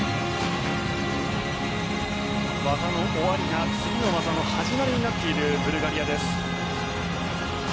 技の終わりが次の技の始まりになっているブルガリアです。